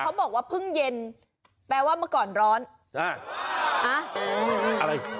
เขาบอกว่าพึ่งเย็นแปลว่าเมื่อก่อนร้อนอ่าอืมอะไร